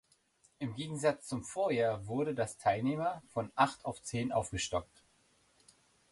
Im Gegensatz zum Vorjahr wurde das Teilnehmer von acht auf zehn aufgestockt.